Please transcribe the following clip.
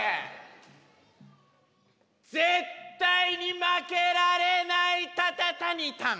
絶対に負けられないタタタニタン。